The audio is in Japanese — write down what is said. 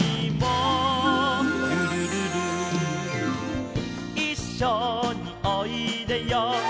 「ルルルル」「いっしょにおいでよ」